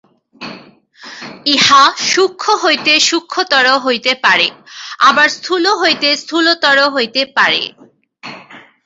ইহা সূক্ষ্ম হইতে সূক্ষ্মতর হইতে পারে, আবার স্থূল হইতে স্থূলতর হইতে পারে।